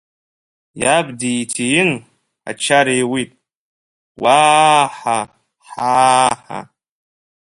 Иаб диҭиин, ачара иуит, уаа-ҳа, ҳаа-ҳаа!